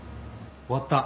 終わった。